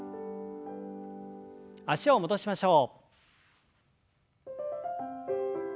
脚を戻しましょう。